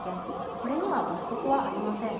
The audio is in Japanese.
これには罰則はありません。